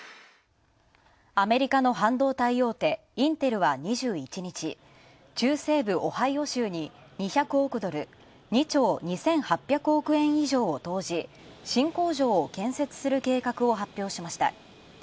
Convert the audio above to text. アメリカの半導体大手・インテルは２１日、中西部オハイオ州に２００億ドル、およそ２兆２８００億円以上を投じ新工場を建設する計画を発表しました。